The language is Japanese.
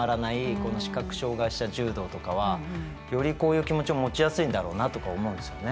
この視覚障害者柔道とかはよりこういう気持ちを持ちやすいんだろうなとか思うんですよね。